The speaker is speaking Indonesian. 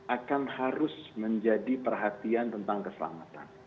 akan harus menjadi perhatian tentang keselamatan